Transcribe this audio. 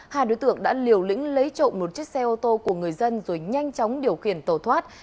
hai đối tượng đã liều lĩnh lấy trộm một chiếc xe ô tô của người dân rồi nhanh chóng điều khiển tàu thoát